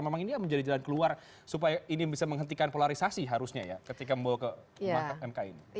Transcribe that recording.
memang ini yang menjadi jalan keluar supaya ini bisa menghentikan polarisasi harusnya ya ketika membawa ke mk ini